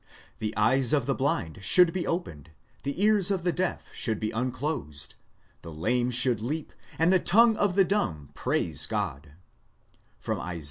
The eyes of the blind should be opened, the ears of the deaf should be unclosed, the lame should leap, and the tongue of the dumb praise God (Isa.